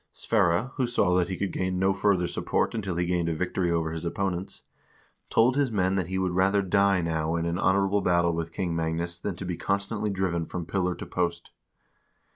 Sverre, who saw that he could gain no further support until he gained a victory over his opponents, told his men that he would rather die now in an honorable battle with King Magnus than to be constantly driven from pillar to post.